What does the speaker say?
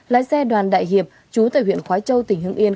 lái xe đoàn đại hiệp chú tại huyện khói châu tỉnh hưng yên